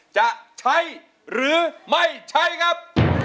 จะใช้หรือไม่ใช้ครับ